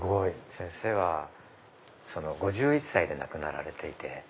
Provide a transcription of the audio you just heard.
先生は５１歳で亡くなられていて。